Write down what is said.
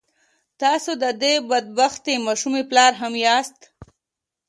تاسو د دې بد بختې ماشومې پلار هم ياستئ.